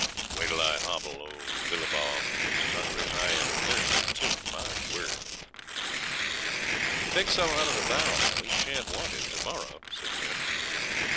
'Wait till I hobble out Bilbah; he's as hungry as I am, and thirsty too, my word.' 'Take some out of the barrel; we shan't want it to morrow,' said Jim.